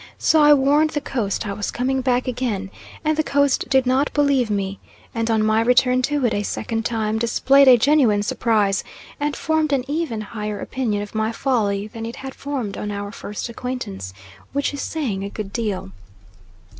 So I warned the Coast I was coming back again and the Coast did not believe me; and on my return to it a second time displayed a genuine surprise, and formed an even higher opinion of my folly than it had formed on our first acquaintance, which is saying a good deal.